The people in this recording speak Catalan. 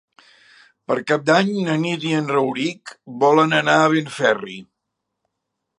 Per Cap d'Any na Nit i en Rauric volen anar a Benferri.